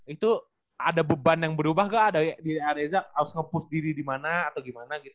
itu ada beban yang berubah gak di areza harus nge push diri dimana atau gimana gitu